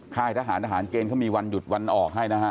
ค่ายทหารทหารเกณฑ์เขามีวันหยุดวันออกให้นะฮะ